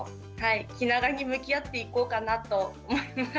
気長に向き合っていこうかなと思います。